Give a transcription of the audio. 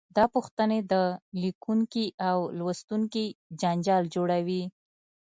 دا پوښتنې د لیکونکي او لوستونکي جنجال جوړوي.